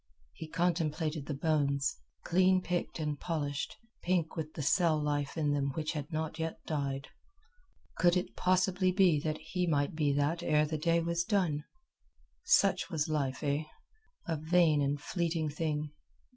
He contemplated the bones, clean picked and polished, pink with the cell life in them which had not yet died. Could it possibly be that he might be that ere the day was done! Such was life, eh? A vain and fleeting thing.